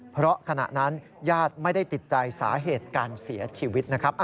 เพราะขณะนั้นญาติไม่ได้ติดใจสาเหตุการเสียชีวิตนะครับ